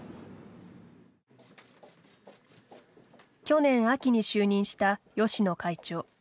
去年秋に就任した芳野会長。